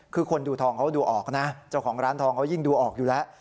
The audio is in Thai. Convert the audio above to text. คือคนดูทองเขาดูออกนะเจ้าของร้านทองเขายิ่งดูออกอยู่แล้ว